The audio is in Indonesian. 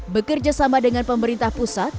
bekerja sama dengan pemerintah pusat